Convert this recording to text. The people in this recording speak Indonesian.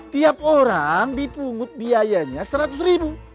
tiap orang dipungut biayanya seratus ribu